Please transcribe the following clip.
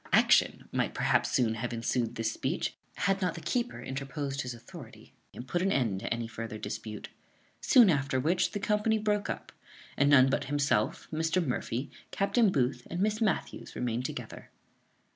Action might perhaps soon have ensued this speech, had not the keeper interposed his authority, and put an end to any further dispute. Soon after which, the company broke up, and none but himself, Mr. Murphy, Captain Booth, and Miss Matthews, remained together.